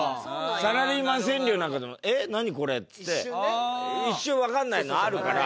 サラリーマン川柳なんかでも「えっ何？これ」っつって一瞬わかんないのあるから。